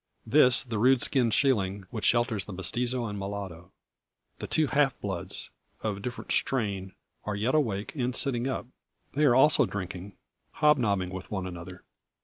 This, the rude skin sheiling which shelters the mestizo and mulatto. The two half bloods, of different strain, are yet awake, and sitting up. They are also drinking, hobnobbing with one another.